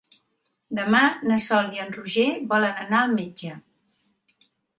Demà na Sol i en Roger volen anar al metge.